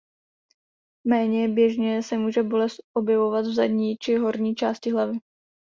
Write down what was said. Méně běžně se může bolest objevovat v zadní či horní části hlavy.